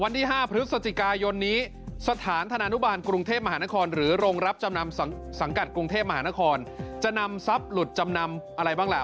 วันที่๕พฤศจิกายนนี้สถานธนานุบาลกรุงเทพมหานครหรือโรงรับจำนำสังกัดกรุงเทพมหานครจะนำทรัพย์หลุดจำนำอะไรบ้างล่ะ